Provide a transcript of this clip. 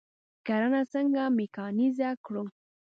کرنه څنګه میکانیزه کړو؟